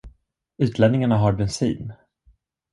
Utlänningarna har bensin.